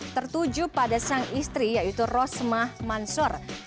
tertuju pada sang istri yaitu rosmah mansur